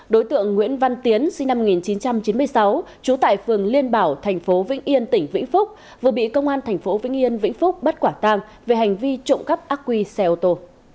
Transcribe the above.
đối tượng nguyễn văn tiến sinh năm một nghìn chín trăm chín mươi sáu chú tải phường liên bảo thành phố vĩnh yên tỉnh vĩnh phúc vừa bị công an thành phố vĩnh yên vĩnh phúc bắt quả tàng về hành vi trộm cắp ác quy xe ô tô